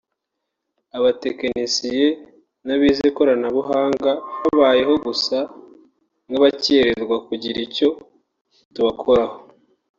abatekinisiye n’abize ikoranabuhanga habayeho gusa nk’abakererwa kugira icyo tubakoraho